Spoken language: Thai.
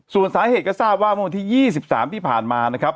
ส่วนสาเหตุก็ทราบว่าเมื่อวันที่๒๓ที่ผ่านมานะครับ